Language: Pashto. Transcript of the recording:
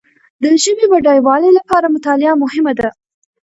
د ژبي بډایوالي لپاره مطالعه مهمه ده.